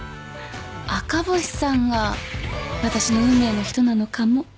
赤星さんが私の運命の人なのかも。